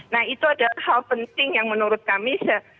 nah itu adalah hal penting yang menurut kami